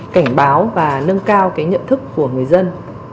cảnh báo và nâng cao cái nhận thức của người dân